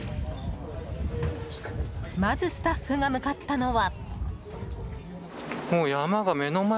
まずスタッフが向かったのは。